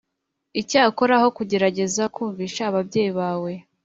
Icyakora aho kugerageza kumvisha ababyeyi bawe